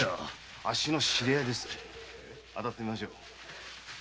当たってみましょう。